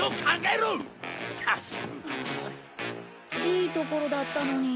いいところだったのに。